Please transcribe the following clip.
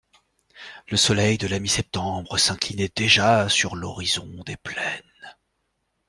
Le soleil de la mi-septembre s'inclinait déjà sur l'horizon des plaines.